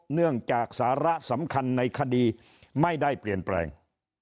เนื่องจากสาระสำคัญในคดีไม่ได้เปลี่ยนแปลง